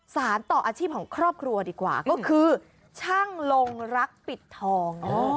สารต่ออาชีพของครอบครัวดีกว่าก็คือช่างลงรักปิดทอง